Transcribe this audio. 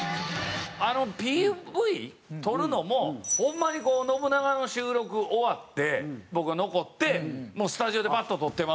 あのＰＶ撮るのもホンマに『ノブナガ』の収録終わって僕が残ってスタジオでパッと撮ってま